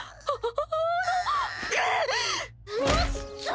あっ。